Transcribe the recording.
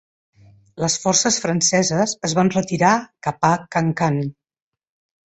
Les forces franceses es van retirar cap a Kankan.